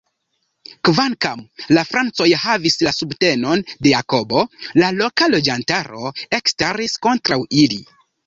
Kvankam la Francoj havis la subtenon de Jakobo, la loka loĝantaro ekstaris kontraŭ ili.